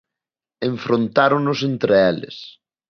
Enfrontáronos entre eles.